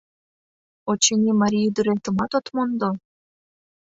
Очыни, марий ӱдыретымат от мондо?